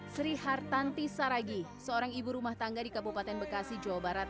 sri hartanti saragi seorang ibu rumah tangga di kabupaten bekasi jawa barat